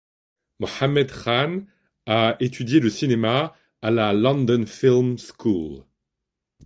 Mohammad Khan a étudié le cinéma à la London Film School.